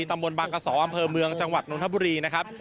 ตำบลบางกระสออำเภอเมืองจังหวัดนทบุรีนะครับ